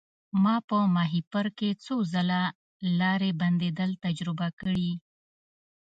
ما په ماهیپر کې څو ځله لارې بندیدل تجربه کړي.